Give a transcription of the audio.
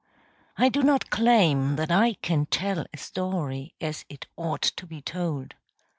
I do not claim that I can tell a story as it ought to be told.